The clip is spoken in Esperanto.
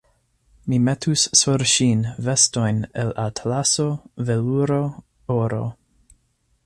Mi metus sur ŝin vestojn el atlaso, veluro, oro.